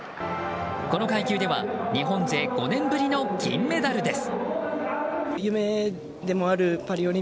この階級では日本勢５年ぶりの銀メダルです。